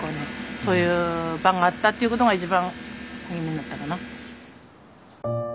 そういう場があったっていう事が一番励みになったかな。